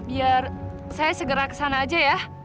biar saya segera kesana aja ya